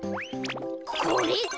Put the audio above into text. これか！